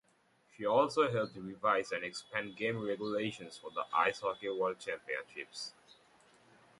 She also helped revise and expand game regulations for the Ice Hockey World Championships.